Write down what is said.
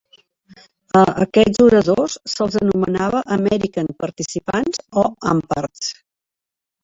A aquests oradors se'ls anomenava "American Participants" o "AmParts".